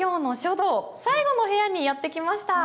最後の部屋にやって来ました。